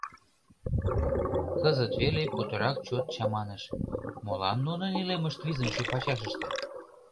Кызыт веле путырак чот чаманыш: молан нунын илемышт визымше пачашыште?